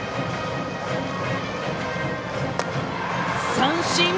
三振！